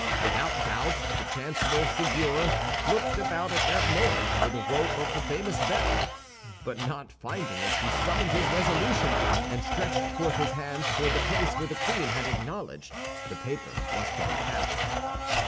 Without doubt the chancellor Séguier looked about at that moment for the rope of the famous bell; but not finding it he summoned his resolution, and stretched forth his hands toward the place where the queen had acknowledged the paper was to be found.